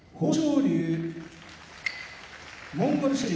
龍モンゴル出身